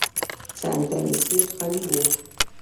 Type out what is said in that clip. څنګ ته مې سیټ خالي و.